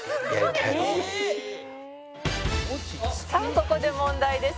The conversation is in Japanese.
「さあここで問題です」